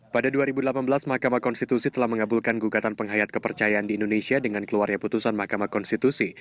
pada dua ribu delapan belas mahkamah konstitusi telah mengabulkan gugatan penghayat kepercayaan di indonesia dengan keluarnya putusan mahkamah konstitusi